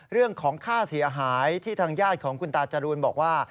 เรื่องของค่าเสียหายที่ทางญาติของคุณตาจรูนบอกว่า